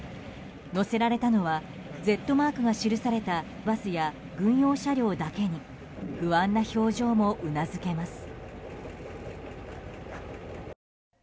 乗せられたのはＺマークが記されたバスや軍用車両だけに不安な表情もうなずけます。